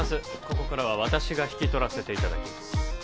ここからは私が引き取らせていただきます